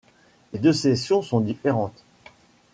Les deux sessions sont différentes.